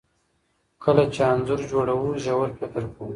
کله چې انځور جوړوو ژور فکر کوو.